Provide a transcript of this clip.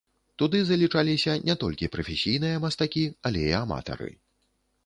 Туды залічаліся не толькі прафесійныя мастакі, але і аматары.